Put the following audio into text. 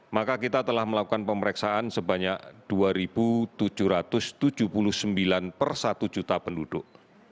maka kita telah melakukan pemeriksaan sebanyak dua tujuh ratus tujuh puluh sembilan per satu juta penduduk